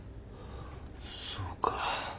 そうか俺。